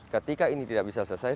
ketika ini tidak bisa selesai